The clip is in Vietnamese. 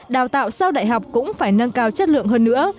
đào tạo sau đại học cũng phải nâng cao chất lượng hơn nữa